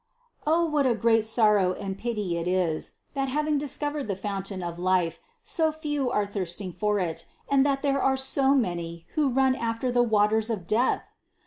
O what a great sor row and pity it is, that having discovered the fountain of life, so few are thirsting for it, and that there are so many, who run after the waters of death!